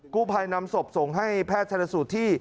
กู้ภัยนำศพส่งให้แพทย์ทรสุทธิ์